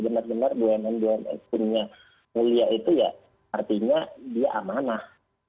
genar genar bumn bumx punya mulia itu ya artinya dia amanah